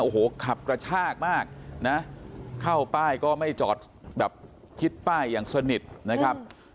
โอ้โหขับกระชากมากนะเข้าป้ายก็ไม่จอดแบบคิดป้ายอย่างสนิทนะครับ